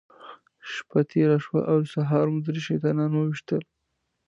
شپه تېره شوه او سهار مو درې شیطانان وويشتل.